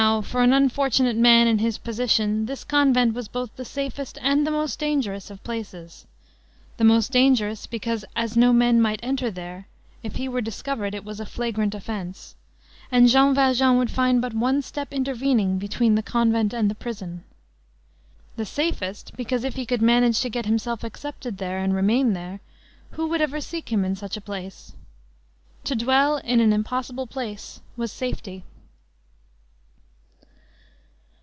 Now, for an unfortunate man in his position, this convent was both the safest and the most dangerous of places; the most dangerous, because, as no men might enter there, if he were discovered, it was a flagrant offence, and Jean Valjean would find but one step intervening between the convent and prison; the safest, because, if he could manage to get himself accepted there and remain there, who would ever seek him in such a place? To dwell in an impossible place was safety.